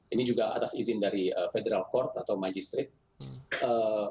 ini juga atas izin dari federal court atau magistrate